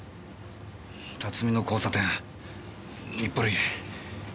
辰巳の交差点日暮里。